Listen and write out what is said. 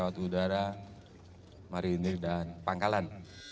tudara marinir dan pangkalan